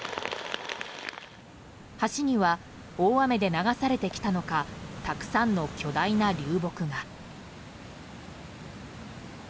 橋には大雨で流されてきたのかたくさんの巨大な流木が。